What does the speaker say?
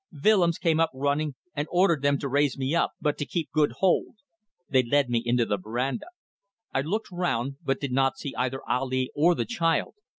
Willems came up running and ordered them to raise me up, but to keep good hold. They led me into the verandah. I looked round, but did not see either Ali or the child.